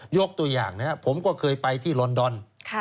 ยกตัวอย่างนะครับผมก็เคยไปที่ลอนดอน